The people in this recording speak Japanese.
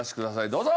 どうぞ！